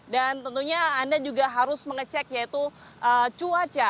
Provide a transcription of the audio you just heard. dan tentunya anda juga harus mengecek yaitu cuaca